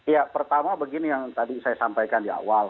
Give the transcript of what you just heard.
ya pertama begini yang tadi saya sampaikan di awal